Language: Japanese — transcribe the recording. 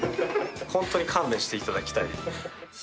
本当に勘弁していただきたい。